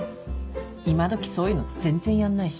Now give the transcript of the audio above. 今どきそういうの全然やんないし。